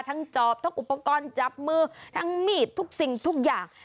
จอบทั้งอุปกรณ์จับมือทั้งมีดทุกสิ่งทุกอย่าง